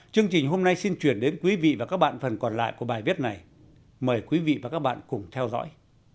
chương trình hôm nay xin chuyển đến quý vị và các bạn phần còn lại của bài viết này mời quý vị và các bạn cùng theo dõi